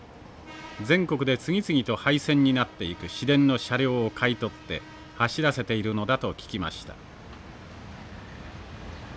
全国で次々と廃線になっていく市電の車両を買い取って走らせているのだと聞きました。